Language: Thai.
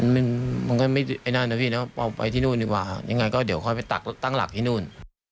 มันมันก็ไม่ไอ้นั่นนะพี่นะเอาไปที่นู่นดีกว่ายังไงก็เดี๋ยวค่อยไปตักตั้งหลักที่นู่น